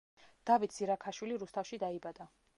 დავით ზირაქაშვილი რუსთავში დაიბადა.